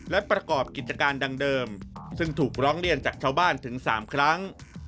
และประกอบกิจการดังเดิมซึ่งถูกร้องเรียนจากชาวบ้านถึง๓ครั้ง